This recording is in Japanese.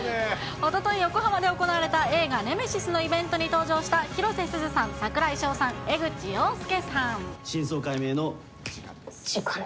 おととい、横浜で行われた映画ネメシスのイベントに登場した広瀬すずさん、真相解明の。